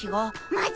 マジ⁉